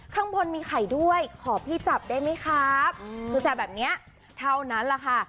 ข้างบนมีไข่ด้วยขอพี่จับได้ไหมครับคือแซ่บแบบนี้เท่านั้นแหละค่ะ